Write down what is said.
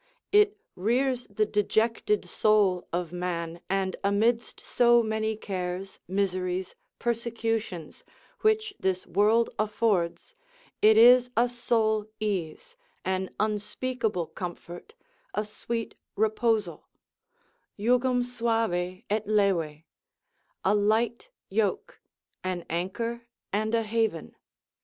It rears the dejected soul of man, and amidst so many cares, miseries, persecutions, which this world affords, it is a sole ease, an unspeakable comfort, a sweet reposal, Jugum suave, et leve, a light yoke, an anchor, and a haven.